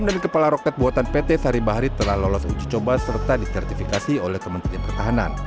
bom dari kepala roket buatan pt saribahari telah lolos uji coba serta disertifikasi oleh kementerian pertahanan